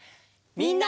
みんな！